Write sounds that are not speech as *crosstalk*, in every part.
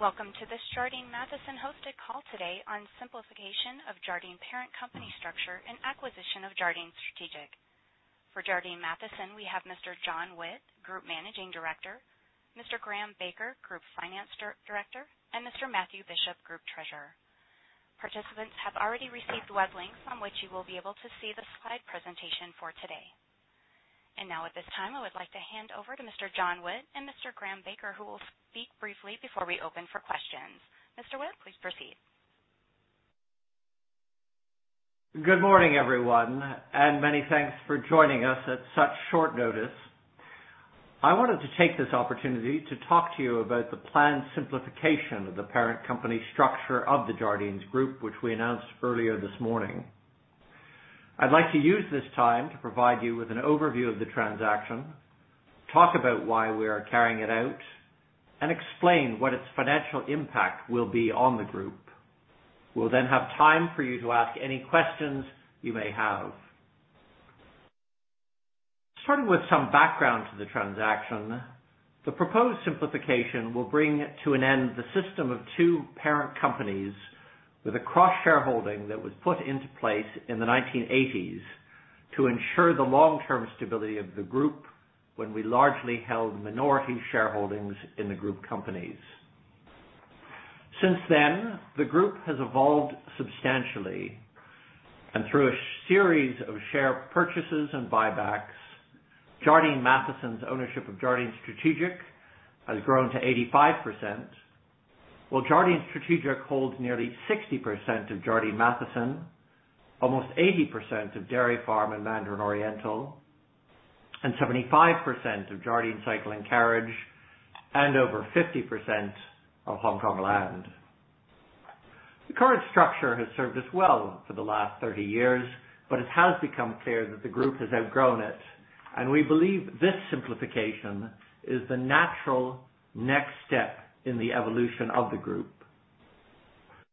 Welcome to this Jardine Matheson-hosted call today on simplification of Jardine parent company structure and acquisition of Jardine Strategic. For Jardine Matheson, we have Mr. John Witt, Group Managing Director; Mr. Graham Baker, Group Finance Director; and Mr. Matthew Bishop, Group Treasurer. Participants have already received web links on which you will be able to see the slide presentation for today. At this time, I would like to hand over to Mr. John Witt and Mr. Graham Baker, who will speak briefly before we open for questions. Mr. Witt, please proceed. Good morning, everyone, and many thanks for joining us at such short notice. I wanted to take this opportunity to talk to you about the planned simplification of the parent company structure of the Jardine Group, which we announced earlier this morning. I'd like to use this time to provide you with an overview of the transaction, talk about why we are carrying it out, and explain what its financial impact will be on the group. We'll then have time for you to ask any questions you may have. Starting with some background to the transaction, the proposed simplification will bring to an end the system of two parent companies with a cross-shareholding that was put into place in the 1980s to ensure the long-term stability of the group when we largely held minority shareholdings in the group companies. Since then, the group has evolved substantially, and through a series of share purchases and buybacks, Jardine Matheson's ownership of Jardine Strategic has grown to 85%, while Jardine Strategic holds nearly 60% of Jardine Matheson, almost 80% of Dairy Farm and Mandarin Oriental, and 75% of Jardine Cycle & Carriage, and over 50% of Hong Kong Land. The current structure has served us well for the last 30 years, but it has become clear that the group has outgrown it, and we believe this simplification is the natural next step in the evolution of the group.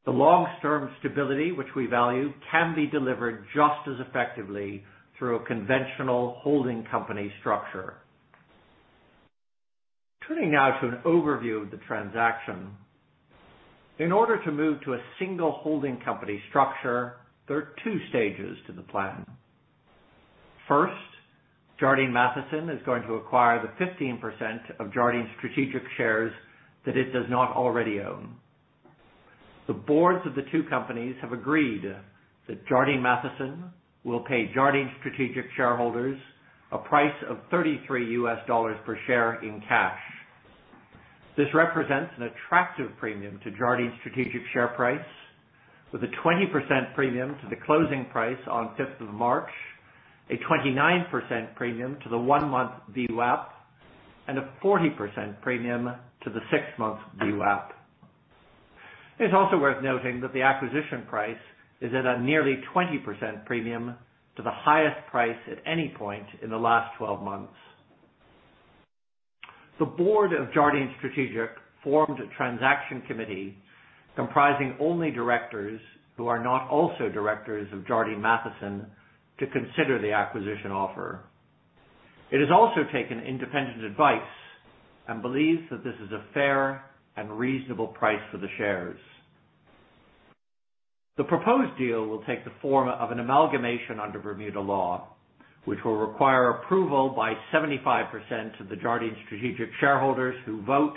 The long-term stability, which we value, can be delivered just as effectively through a conventional holding company structure. Turning now to an overview of the transaction, in order to move to a single holding company structure, there are two stages to the plan. First, Jardine Matheson is going to acquire the 15% of Jardine Strategic shares that it does not already own. The boards of the two companies have agreed that Jardine Matheson will pay Jardine Strategic shareholders a price of $33 per share in cash. This represents an attractive premium to Jardine Strategic's share price, with a 20% premium to the closing price on 5th of March, a 29% premium to the one-month VWAP, and a 40% premium to the six-month VWAP. It's also worth noting that the acquisition price is at a nearly 20% premium to the highest price at any point in the last 12 months. The board of Jardine Strategic formed a transaction committee comprising only directors who are not also directors of Jardine Matheson to consider the acquisition offer. It has also taken independent advice and believes that this is a fair and reasonable price for the shares. The proposed deal will take the form of an amalgamation under Bermuda law, which will require approval by 75% of the Jardine Strategic shareholders who vote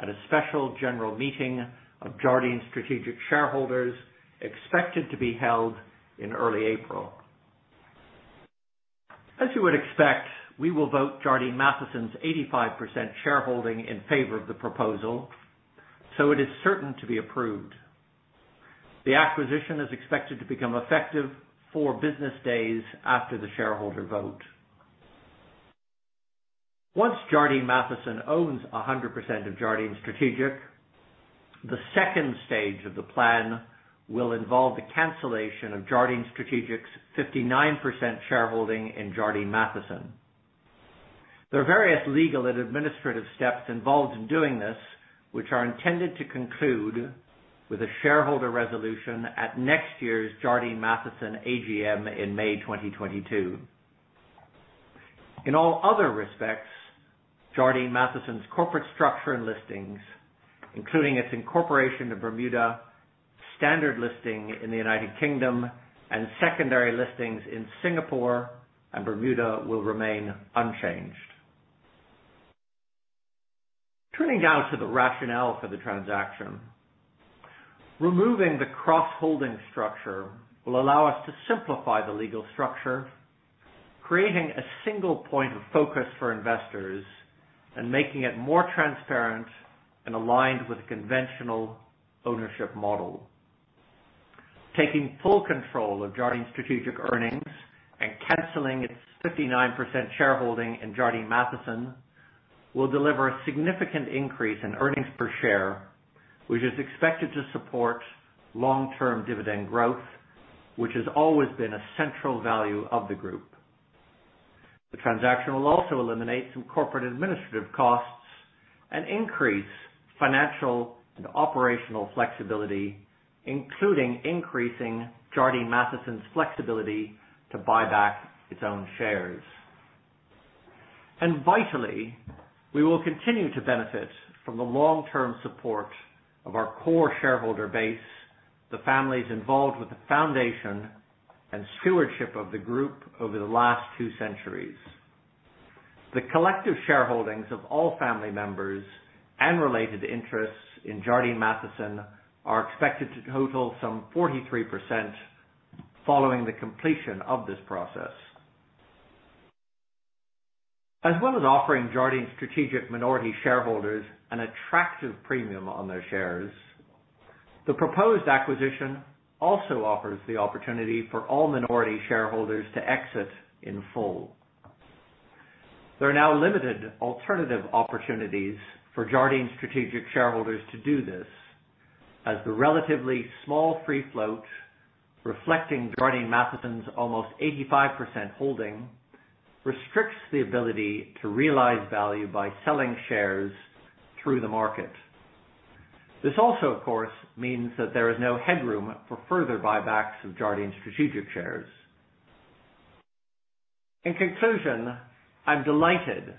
at a special general meeting of Jardine Strategic shareholders expected to be held in early April. As you would expect, we will vote Jardine Matheson's 85% shareholding in favor of the proposal, so it is certain to be approved. The acquisition is expected to become effective four business days after the shareholder vote. Once Jardine Matheson owns 100% of Jardine Strategic, the second stage of the plan will involve the cancellation of Jardine Strategic's 59% shareholding in Jardine Matheson. There are various legal and administrative steps involved in doing this, which are intended to conclude with a shareholder resolution at next year's Jardine Matheson AGM in May 2022. In all other respects, Jardine Matheson's corporate structure and listings, including its incorporation to Bermuda, standard listing in the United Kingdom, and secondary listings in Singapore and Bermuda, will remain unchanged. Turning now to the rationale for the transaction, removing the cross-shareholding structure will allow us to simplify the legal structure, creating a single point of focus for investors, and making it more transparent and aligned with the conventional ownership model. Taking full control of Jardine Strategic's earnings and canceling its 59% shareholding in Jardine Matheson will deliver a significant increase in earnings per share, which is expected to support long-term dividend growth, which has always been a central value of the group. The transaction will also eliminate some corporate administrative costs and increase financial and operational flexibility, including increasing Jardine Matheson's flexibility to buy back its own shares. Vitally, we will continue to benefit from the long-term support of our core shareholder base, the families involved with the foundation and stewardship of the group over the last two centuries. The collective shareholdings of all family members and related interests in Jardine Matheson are expected to total some 43% following the completion of this process. As well as offering Jardine Strategic minority shareholders an attractive premium on their shares, the proposed acquisition also offers the opportunity for all minority shareholders to exit in full. There are now limited alternative opportunities for Jardine Strategic shareholders to do this, as the relatively small free float reflecting Jardine Matheson's almost 85% holding restricts the ability to realize value by selling shares through the market. This also, of course, means that there is no headroom for further buybacks of Jardine Strategic shares. In conclusion, I'm delighted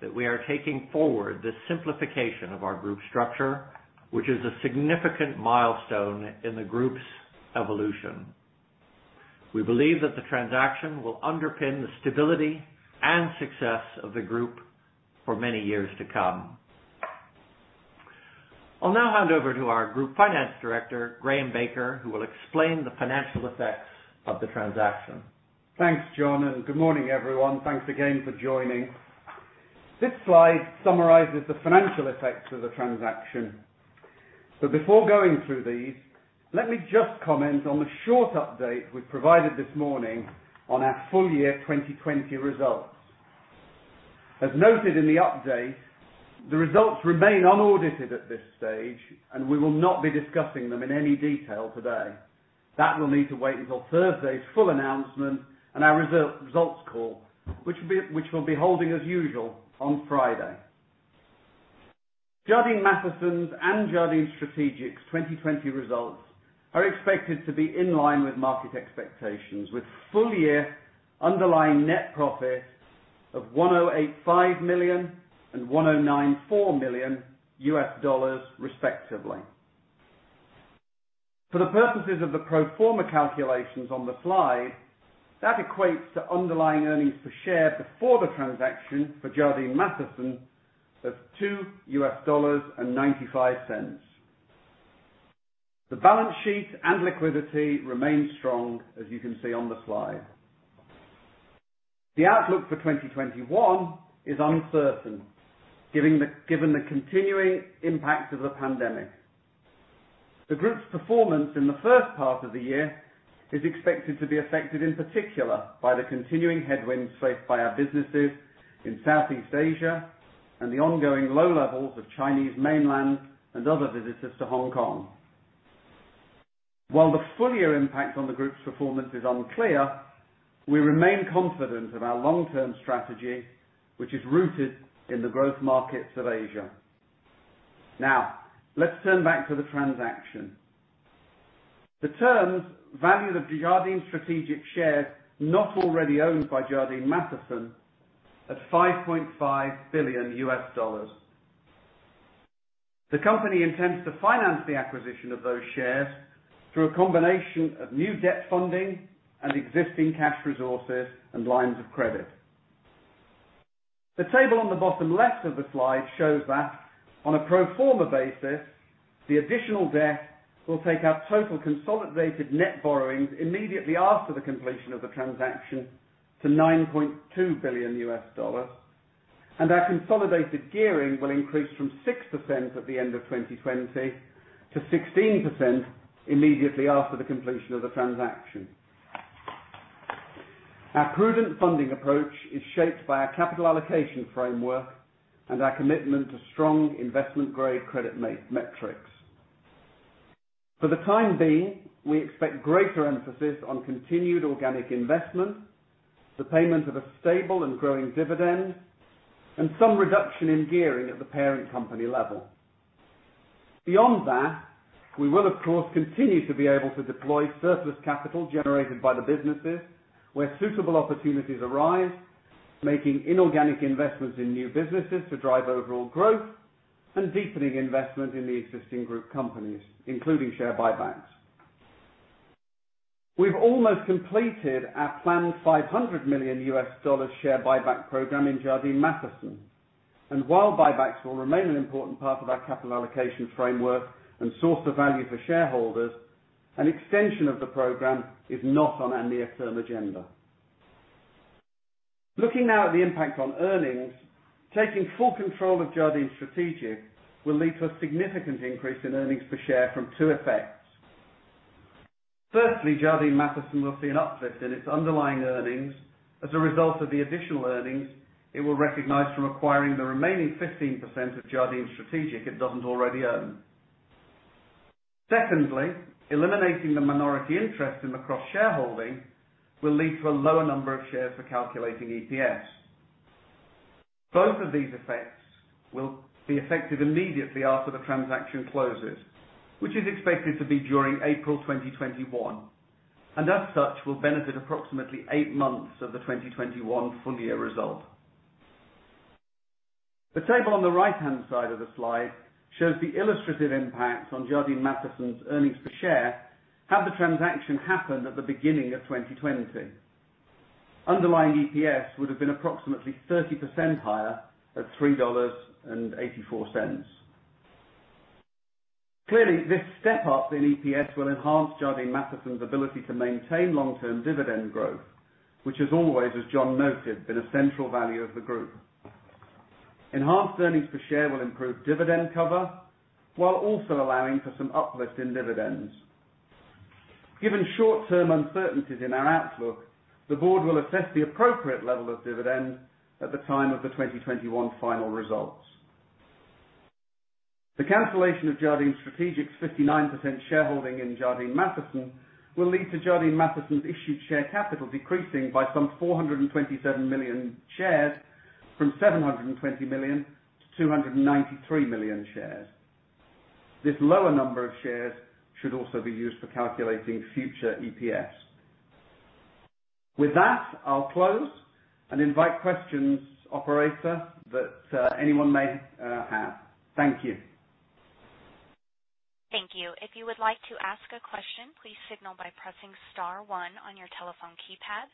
that we are taking forward this simplification of our group structure, which is a significant milestone in the group's evolution. We believe that the transaction will underpin the stability and success of the group for many years to come. I'll now hand over to our Group Finance Director, Graham Baker, who will explain the financial effects of the transaction. Thanks, John. Good morning, everyone. Thanks again for joining. This slide summarizes the financial effects of the transaction. Before going through these, let me just comment on the short update we have provided this morning on our full year 2020 results. As noted in the update, the results remain unaudited at this stage, and we will not be discussing them in any detail today. That will need to wait until Thursday's full announcement and our results call, which we will be holding as usual on Friday. Jardine Matheson's and Jardine Strategic's 2020 results are expected to be in line with market expectations, with full year underlying net profit of $108,500,000 and $109,400,000, respectively. For the purposes of the pro forma calculations on the slide, that equates to underlying earnings per share before the transaction for Jardine Matheson of $2.95. The balance sheet and liquidity remain strong, as you can see on the slide. The outlook for 2021 is uncertain, given the continuing impact of the pandemic. The group's performance in the first part of the year is expected to be affected in particular by the continuing headwinds faced by our businesses in Southeast Asia and the ongoing low levels of Chinese mainland and other visitors to Hong Kong. While the full year impact on the group's performance is unclear, we remain confident of our long-term strategy, which is rooted in the growth markets of Asia. Now, let's turn back to the transaction. The terms value the Jardine Strategic shares not already owned by Jardine Matheson at $5.5 billion. The company intends to finance the acquisition of those shares through a combination of new debt funding and existing cash resources and lines of credit. The table on the bottom left of the slide shows that, on a pro forma basis, the additional debt will take our total consolidated net borrowings immediately after the completion of the transaction to $9.2 billion, and our consolidated gearing will increase from 6% at the end of 2020 to 16% immediately after the completion of the transaction. Our prudent funding approach is shaped by our capital allocation framework and our commitment to strong investment-grade credit metrics. For the time being, we expect greater emphasis on continued organic investment, the payment of a stable and growing dividend, and some reduction in gearing at the parent company level. Beyond that, we will, of course, continue to be able to deploy surplus capital generated by the businesses where suitable opportunities arise, making inorganic investments in new businesses to drive overall growth and deepening investment in the existing group companies, including share buybacks. We've almost completed our planned $500 million share buyback program in Jardine Matheson, and while buybacks will remain an important part of our capital allocation framework and source of value for shareholders, an extension of the program is not on our near-term agenda. Looking now at the impact on earnings, taking full control of Jardine Strategic will lead to a significant increase in earnings per share from two effects. Firstly, Jardine Matheson will see an uplift in its underlying earnings as a result of the additional earnings it will recognize from acquiring the remaining 15% of Jardine Strategic it doesn't already own. Secondly, eliminating the minority interest in the cross-shareholding will lead to a lower number of shares for calculating EPS. Both of these effects will be effective immediately after the transaction closes, which is expected to be during April 2021, and as such, will benefit approximately eight months of the 2021 full year result. The table on the right-hand side of the slide shows the illustrative impacts on Jardine Matheson's earnings per share had the transaction happened at the beginning of 2020. Underlying EPS would have been approximately 30% higher at $3.84. Clearly, this step-up in EPS will enhance Jardine Matheson's ability to maintain long-term dividend growth, which has always, as John noted, been a central value of the group. Enhanced earnings per share will improve dividend cover while also allowing for some uplift in dividends. Given short-term uncertainties in our outlook, the board will assess the appropriate level of dividend at the time of the 2021 final results. The cancellation of Jardine Strategic's 59% shareholding in Jardine Matheson will lead to Jardine Matheson's issued share capital decreasing by some 427 million shares from 720 million to 293 million shares. This lower number of shares should also be used for calculating future EPS. With that, I'll close and invite questions operator that anyone may have. Thank you. Thank you. If you would like to ask a question, please signal by pressing star one on your telephone keypad.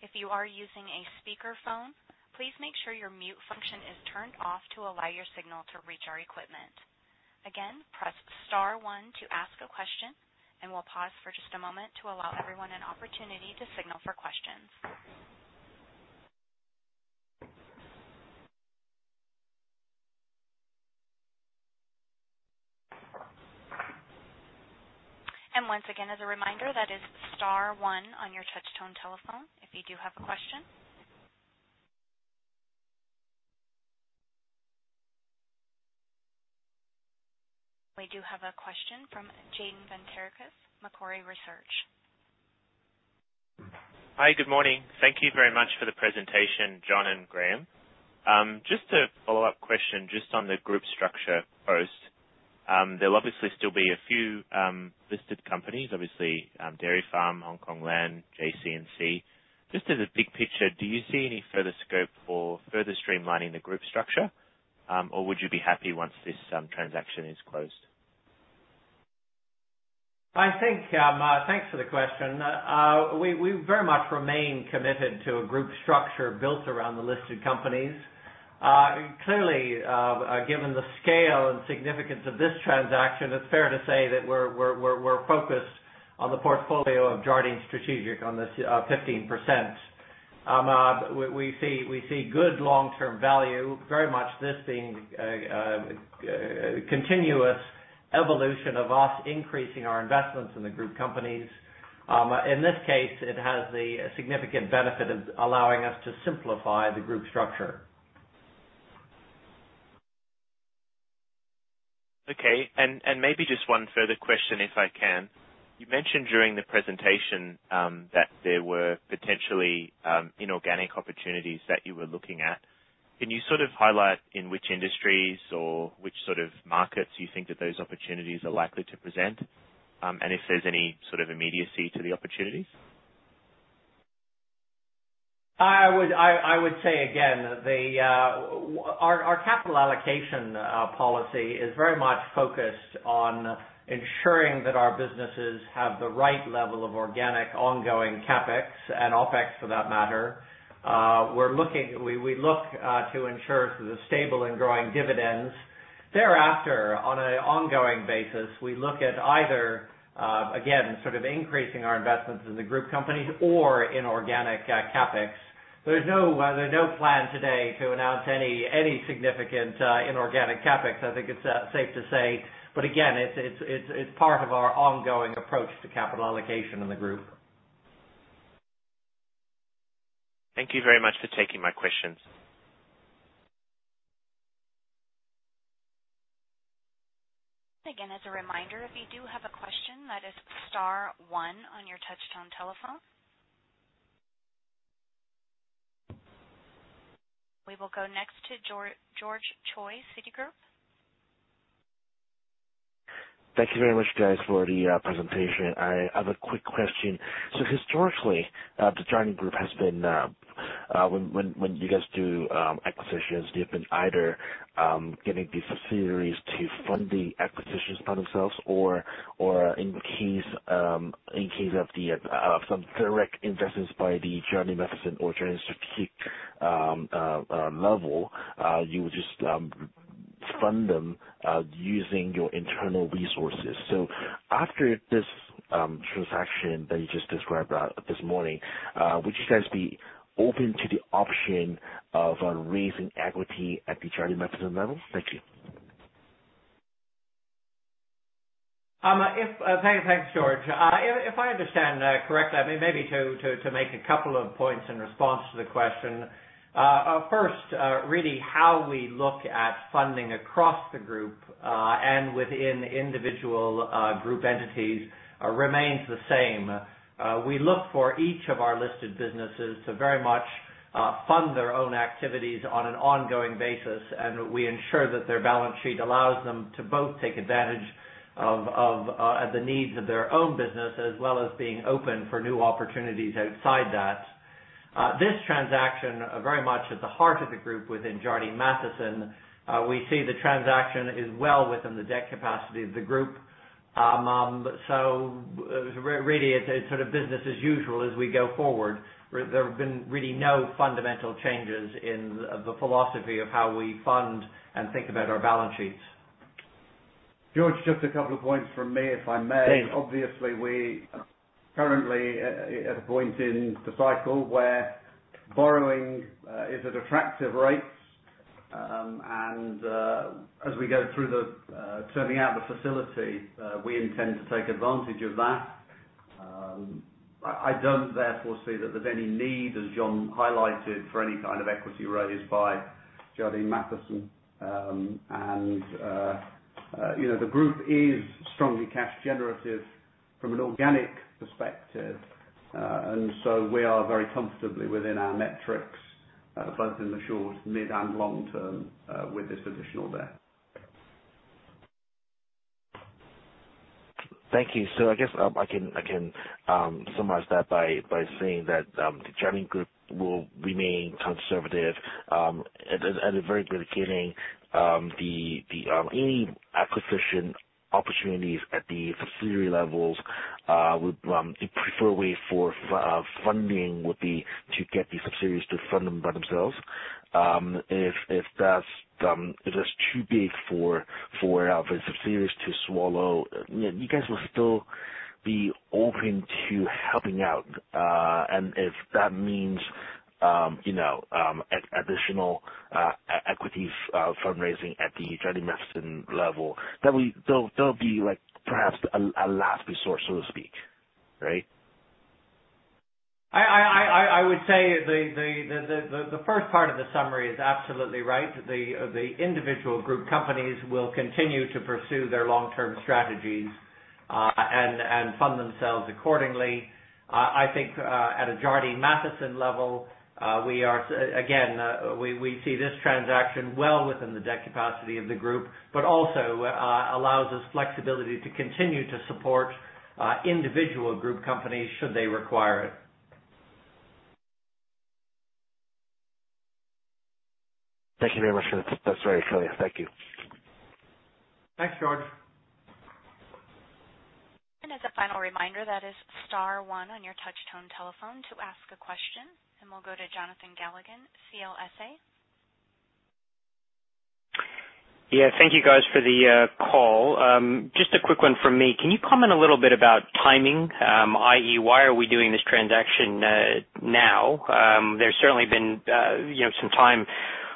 If you are using a speakerphone, please make sure your mute function is turned off to allow your signal to reach our equipment. Again, press star one to ask a question. We'll pause for just a moment to allow everyone an opportunity to signal for questions. Once again, as a reminder, that is star one on your touch-tone telephone if you do have a question. We do have a question from Jane Ventericus, Macquarie Research. Hi, good morning. Thank you very much for the presentation, John and Graham. Just a follow-up question just on the group structure post. There'll obviously still be a few listed companies, obviously Dairy Farm, Hong Kong Land, JCNC. Just as a big picture, do you see any further scope for further streamlining the group structure, or would you be happy once this transaction is closed? I think thanks for the question. We very much remain committed to a group structure built around the listed companies. Clearly, given the scale and significance of this transaction, it's fair to say that we're focused on the portfolio of Jardine Strategic on this 15%. We see good long-term value, very much this being a continuous evolution of us increasing our investments in the group companies. In this case, it has the significant benefit of allowing us to simplify the group structure. Okay. Maybe just one further question, if I can. You mentioned during the presentation that there were potentially inorganic opportunities that you were looking at. Can you sort of highlight in which industries or which sort of markets you think that those opportunities are likely to present, and if there's any sort of immediacy to the opportunities? I would say again that our capital allocation policy is very much focused on ensuring that our businesses have the right level of organic ongoing CapEx and OpEx for that matter. We look to ensure the stable and growing dividends. Thereafter, on an ongoing basis, we look at either, again, sort of increasing our investments in the group companies or inorganic CapEx. There is no plan today to announce any significant inorganic CapEx. I think it is safe to say, but again, it is part of our ongoing approach to capital allocation in the group. Thank you very much for taking my questions. As a reminder, if you do have a question, that is star one on your touch-tone telephone. We will go next to George Choi, Citigroup. Thank you very much, guys, for the presentation. I have a quick question. Historically, the Jardine Group has been, when you guys do acquisitions, they've been either getting the subsidiaries to fund the acquisitions by themselves or, in case of some direct investments by the Jardine Matheson or Jardine Strategic level, you would just fund them using your internal resources. After this transaction that you just described this morning, would you guys be open to the option of raising equity at the Jardine Matheson level? Thank you. Thanks, George. If I understand correctly, I may be to make a couple of points in response to the question. First, really, how we look at funding across the group and within individual group entities remains the same. We look for each of our listed businesses to very much fund their own activities on an ongoing basis, and we ensure that their balance sheet allows them to both take advantage of the needs of their own business as well as being open for new opportunities outside that. This transaction, very much at the heart of the group within Jardine Matheson, we see the transaction is well within the debt capacity of the group. It is sort of business as usual as we go forward. There have been really no fundamental changes in the philosophy of how we fund and think about our balance sheets. George, just a couple of points from me, if I may. Please. Obviously, we're currently at a point in the cycle where borrowing is at attractive rates, and as we go through the turning out the facility, we intend to take advantage of that. I don't, therefore, see that there's any need, as John highlighted, for any kind of equity raised by Jardine Matheson. The group is strongly cash generative from an organic perspective, and we are very comfortably within our metrics, both in the short, mid, and long term, with this additional debt. Thank you. I guess I can summarize that by saying that the Jardine Group will remain conservative. At the very beginning, any acquisition opportunities at the subsidiary levels, the preferred way for funding would be to get the subsidiaries to fund them by themselves. If that's too big for the subsidiaries to swallow, you guys will still be open to helping out. If that means additional equity fundraising at the Jardine Matheson level, that will be perhaps a last resource, so to speak, right? I would say the first part of the summary is absolutely right. The individual group companies will continue to pursue their long-term strategies and fund themselves accordingly. I think at a Jardine Matheson level, again, we see this transaction well within the debt capacity of the group, but also allows us flexibility to continue to support individual group companies should they require it. Thank you very much for that, that's very clear. Thank you. Thanks, George. As a final reminder, that is star one on your touch-tone telephone to ask a question. We will go to Jonathan Galligan, CLSA. Yeah, thank you guys for the call. Just a quick one from me. Can you comment a little bit about timing, i.e., why are we doing this transaction now? There's certainly been some time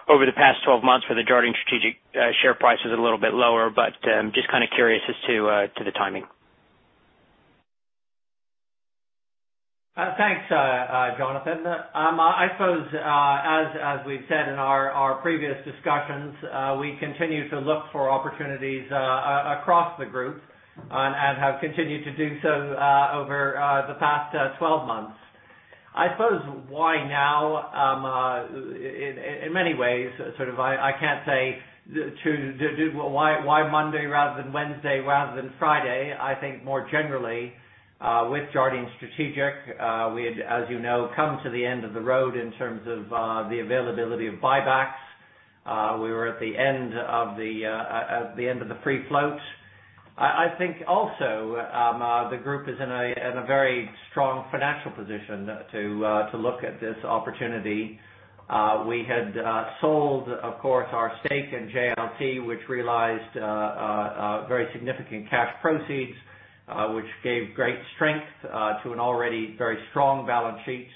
over the past 12 months where the Jardine Strategic share price is a little bit lower, but just kind of curious as to the timing. Thanks, Jonathan. I suppose, as we've said in our previous discussions, we continue to look for opportunities across the group and have continued to do so over the past 12 months. I suppose why now, in many ways, sort of I can't say why Monday rather than Wednesday rather than Friday. I think more generally, with Jardine Strategic, we had, as you know, come to the end of the road in terms of the availability of buybacks. We were at the end of the free float. I think also the group is in a very strong financial position to look at this opportunity. We had sold, of course, our stake in JLT, which realized very significant cash proceeds, which gave great strength to an already very strong balance sheet.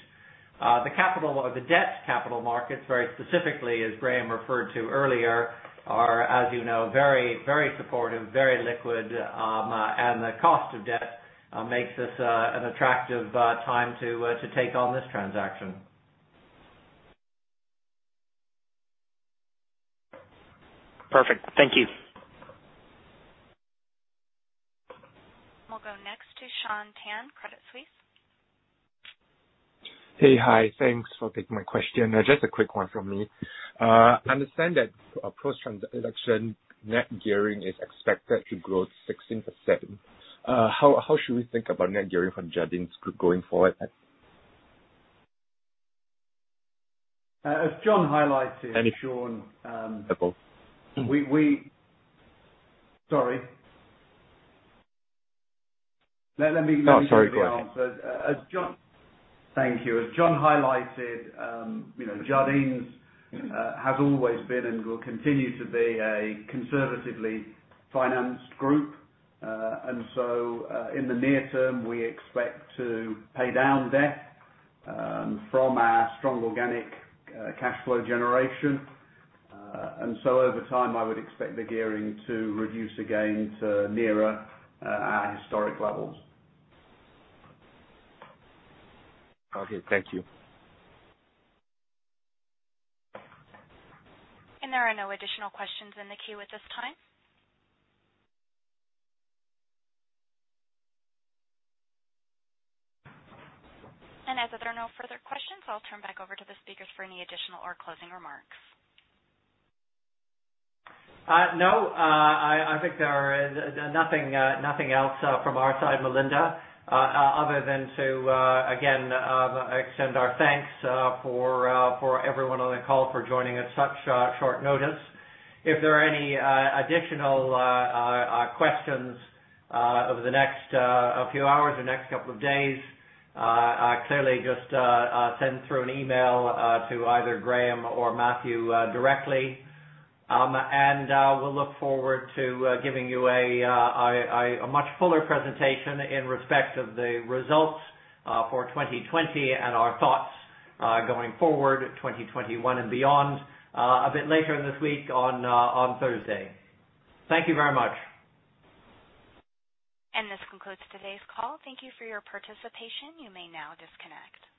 The debt capital markets, very specifically, as Graham referred to earlier, are, as you know, very supportive, very liquid, and the cost of debt makes this an attractive time to take on this transaction. Perfect. Thank you. We'll go next to Sean Tan, Credit Suisse. Hey, hi. Thanks for taking my question. Just a quick one from me. I understand that post-transaction net gearing is expected to grow 16%. How should we think about net gearing for Jardine's group going forward? As John highlighted. *crosstalk* Thank you. As John highlighted, Jardine Matheson has always been and will continue to be a conservatively financed group. In the near term, we expect to pay down debt from our strong organic cash flow generation. Over time, I would expect the gearing to reduce again to nearer our historic levels. Okay. Thank you. There are no additional questions in the queue at this time. As there are no further questions, I'll turn back over to the speakers for any additional or closing remarks. No. I think there is nothing else from our side, Melinda, other than to, again, extend our thanks for everyone on the call for joining at such short notice. If there are any additional questions over the next few hours or next couple of days, clearly just send through an email to either Graham or Matthew directly. We will look forward to giving you a much fuller presentation in respect of the results for 2020 and our thoughts going forward, 2021 and beyond, a bit later this week on Thursday. Thank you very much. This concludes today's call. Thank you for your participation. You may now disconnect.